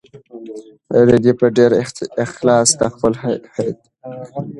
رېدي په ډېر اخلاص د خپل هېواد خدمت وکړ.